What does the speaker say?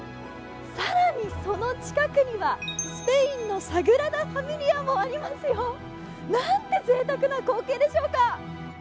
更に、その近くにはスペインのサグラダ・ファミリアもありますよなんてぜいたくな光景でしょうか。